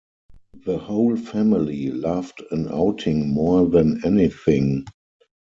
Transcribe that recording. The whole family loved an outing more than anything.